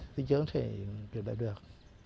thế chứ không thể đạt được